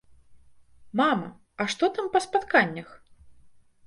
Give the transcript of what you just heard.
Мама, а што там па спатканнях?